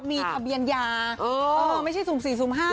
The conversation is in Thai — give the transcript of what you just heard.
มีทะเบียนยาไม่ใช่การสุดท้าย